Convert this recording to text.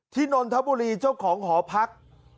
ที่นรธบุรีเจ้าของหอพรรค